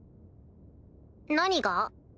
何が？